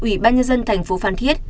ubnd tp phan thiết